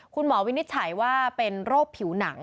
วินิจฉัยว่าเป็นโรคผิวหนัง